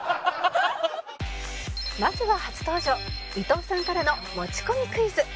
まずは初登場伊藤さんからの持ち込みクイズ